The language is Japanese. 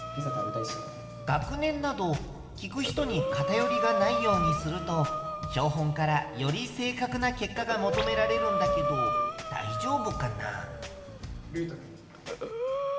学年など聞く人に偏りがないようにすると標本からより正確な結果が求められるんだけどだいじょうぶかな？